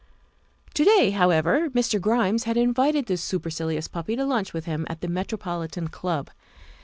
To day, however, Mr. Grimes had invited the super cilious puppy to lunch with him at the Metropolitan Club.